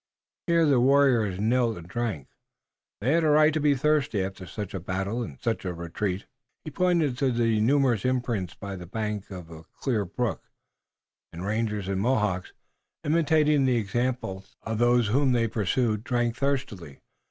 Here the warriors knelt and drank. They had a right to be thirsty after such a battle and such a retreat." He pointed to numerous imprints by the bank of a clear brook, and rangers and Mohawks, imitating the example of those whom they pursued, drank thirstily.